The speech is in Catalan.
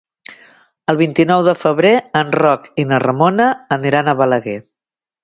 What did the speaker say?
El vint-i-nou de febrer en Roc i na Ramona aniran a Balaguer.